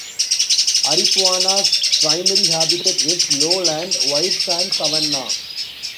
"Aripuana"'s primary habitat is lowland, white-sand savanna.